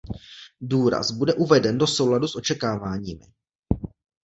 Důraz bude uveden do souladu s očekáváními.